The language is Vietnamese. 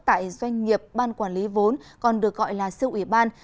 tại doanh nghiệp ban quản lý vốn còn được gọi là siêu ủy ban